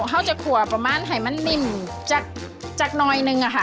ขอจะกล่วงประมาณไว้มานิ่มจักเนอะค่ะ